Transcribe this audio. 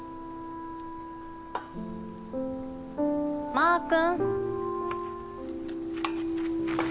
マー君。